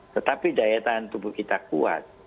tetapi daya tahan tubuh kita kuat